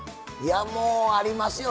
もう、ありますよ。